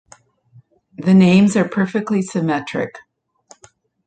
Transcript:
The names are perfectly symmetric.